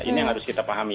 ini yang harus kita pahami